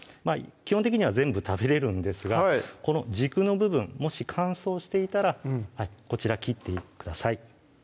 基本的には全部食べれるんですがこの軸の部分もし乾燥していたらこちら切ってください